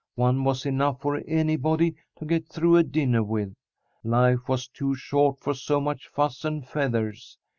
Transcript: One was enough for anybody to get through a dinner with. Life was too short for so much fuss and feathers.